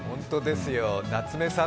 夏目さん